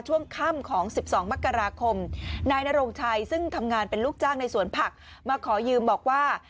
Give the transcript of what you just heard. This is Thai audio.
ช่วงค่ำของ๑๒มกราคมนายนโรงชัยซึ่งทำงานเป็นลูกจ้างในสวนผักมาขอยืมบอกว่า